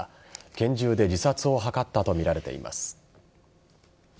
拳銃で自殺を図ったとみられています。